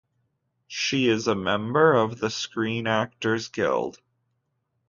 She is a member of the Screen Actors Guild.